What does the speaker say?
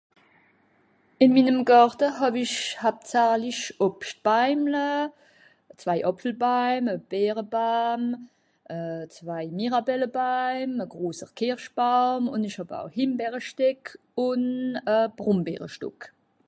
In minem Gàrte hàw ich haptsachlich Obschtbaimle: zwei Àpfelbaim, e Bierebaam, euh zwei Mirabellebaim, e grosser Kirschbaum, un ich hàb au Himbeeresteck un e Brombeerestock